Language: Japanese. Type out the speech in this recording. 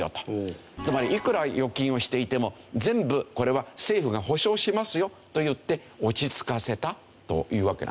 つまりいくら預金をしていても全部これは政府が保証しますよといって落ち着かせたというわけなんですね。